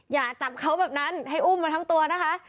อย่าจับเขาแบบนั้นให้อุ้มมาทั้งตัวนะคะ